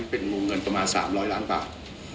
เป็นโงงเงินประมาณ๓ร้อยล้านบาท